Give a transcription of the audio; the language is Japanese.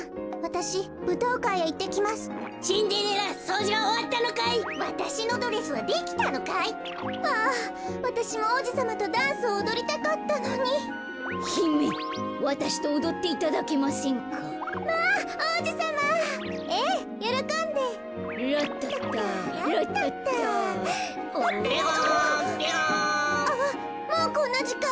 あっもうこんなじかん！